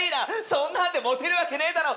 そんなんでモテるわけねえだろ！